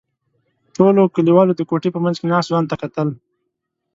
ټولو کلیوالو د کوټې په منځ کې ناست ځوان ته کتل.